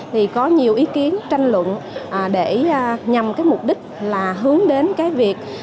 thì có nhiều ý kiến tranh luận để nhằm cái mục đích là hướng đến cái việc